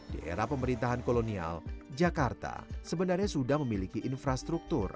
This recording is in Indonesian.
di era pemerintahan kolonial jakarta sebenarnya sudah memiliki infrastruktur